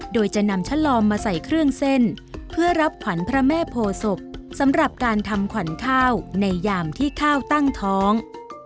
โดยจะนำชะลอมมาใส่เครื่องเส้นเพื่อรับขวัญพระแม่โพศพสำหรับการทำขวัญข้าวในยามที่ข้าวตั้งท้อง